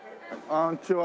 こんにちは。